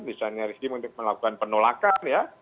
misalnya rizky melakukan penolakan ya